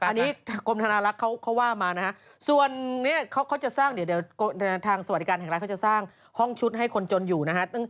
อันนี้กรมธนาภรรคเข้าว่ามาซ่วนทางสวัสดิการแห่งรัฐเขาจะสร้างห้องชุดให้คนจนอยู่